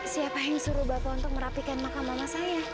siapa yang suruh bapak untuk merapikan maka mama saya